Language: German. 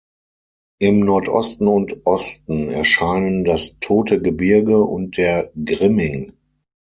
Im Nordosten und Osten erscheinen das Tote Gebirge und der Grimming.